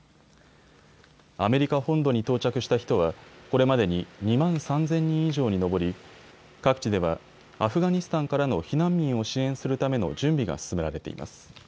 アメリカ本土に到着した人はこれまでに２万３０００人以上に上り各地ではアフガニスタンからの避難民を支援するための準備が進められています。